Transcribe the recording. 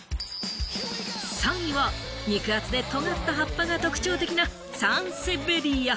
３位は肉厚で尖った葉っぱが特徴的なサンセベリア。